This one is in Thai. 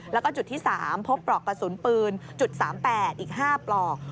แล้วก็จุดที่๓พบปลอกกระสุนปืน๓๘อีก๕ปลอก